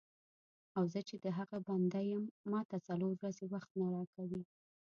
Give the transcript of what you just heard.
او زه چې د هغه بنده یم ماته څلور ورځې وخت نه راکوې.